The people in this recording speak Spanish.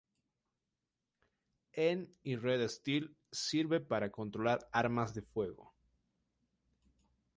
En y Red Steel sirve para controlar armas de fuego.